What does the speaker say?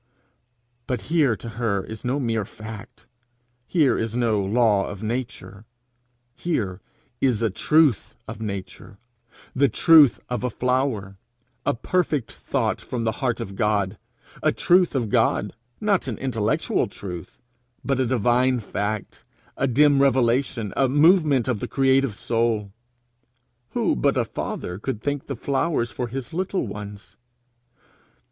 But here to her is no mere fact; here is no law of nature; here is a truth of nature, the truth of a flower a perfect thought from the heart of God a truth of God! not an intellectual truth, but a divine fact, a dim revelation, a movement of the creative soul! Who but a father could think the flowers for his little ones?